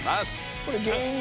これ芸人。